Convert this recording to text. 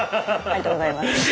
ありがとうございます。